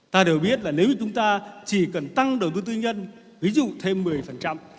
ta đều biết là nếu như chúng ta chỉ cần tăng đầu tư tư nhân ví dụ thêm một mươi